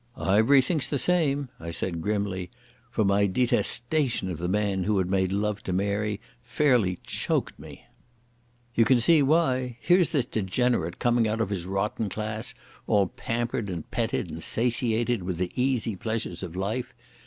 "Ivery thinks the same," I said grimly, for my detestation of the man who had made love to Mary fairly choked me. "You can see why. Here's this degenerate coming out of his rotten class, all pampered and petted and satiated with the easy pleasures of life.